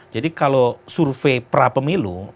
jadi kalau survei pra pemilu